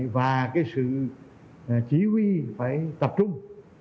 và cái sự chỉ huy phải tập trung